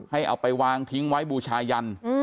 เอาไปวางทิ้งไว้บูชายัน